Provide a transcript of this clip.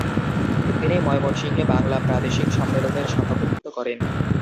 তিনি ময়মনসিংহে বাঙলা প্রাদেশিক সম্মেলনের সভাপতিত্ব করেন।